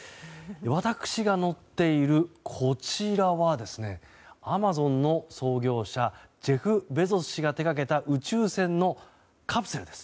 私が乗っている、こちらはアマゾンの創業者ジェフ・ベゾス氏が手掛けた宇宙船のカプセルです。